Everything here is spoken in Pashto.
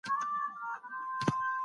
يو کوچنى پنځه کتابونه لري.